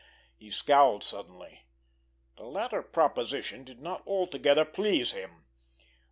He scowled suddenly. The latter proposition did not altogether please him.